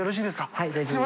はい大丈夫です。